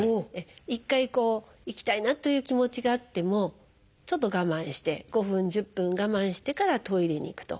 一回行きたいなという気持ちがあってもちょっと我慢して５分１０分我慢してからトイレに行くと。